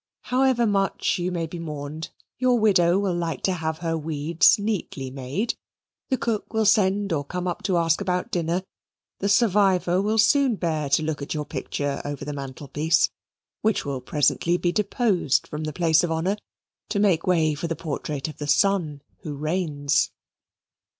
However much you may be mourned, your widow will like to have her weeds neatly made the cook will send or come up to ask about dinner the survivor will soon bear to look at your picture over the mantelpiece, which will presently be deposed from the place of honour, to make way for the portrait of the son who reigns.